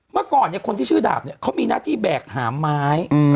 เมื่อก่อนเนี่ยคนที่ชื่อดาบเนี่ยเขามีหน้าที่แบกหามไม้